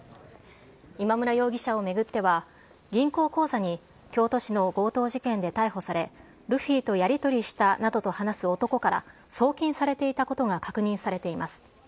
今村容疑者を巡っては、銀行口座に京都市の強盗事件で逮捕され、ルフィとやり取りしたなどと話す男から送金されていたことが確認されています。